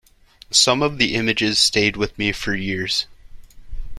Some of the images stayed with me for years.